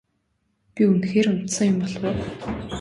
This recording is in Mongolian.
Би үнэхээр унтсан юм болов уу?